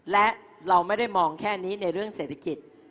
และเราไม่ได้มองแค่นี้ในเรื่องเศรษฐกิจ